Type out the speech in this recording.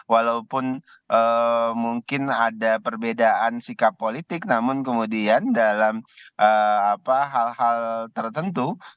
walaupun mungkin ada perbedaan sikap politik namun kemudian dalam hal hal tertentu